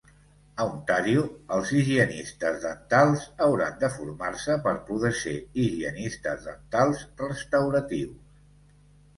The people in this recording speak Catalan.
A Ontario, els higienistes dentals hauran de formar-se per poder ser higienistes dentals restauratius.